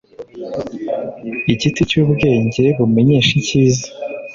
igiti cy’ubwenge bumenyesha icyiza